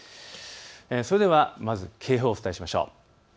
それでは、まず警報をお伝えしましょう。